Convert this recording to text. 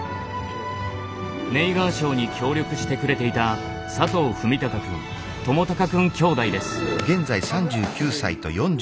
ネイガーショーに協力してくれていた佐藤史崇くん智隆くん兄弟です。